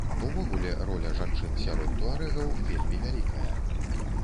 Увогуле, роля жанчын сярод туарэгаў вельмі вялікая.